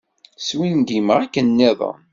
Swingimeɣ akken-nniḍen.